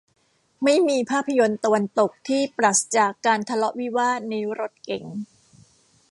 ไม่มีภาพยนตร์ตะวันตกที่ปราศจากการทะเลาะวิวาทในรถเก๋ง